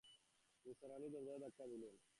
নিসার আলি দরজায় ধাক্কা দিলেন।